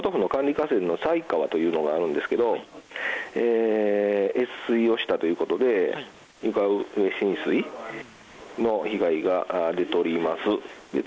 河川の犀川というのがあるんですけれど越水をしたということで床上浸水の被害が出ております。